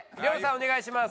お願いします！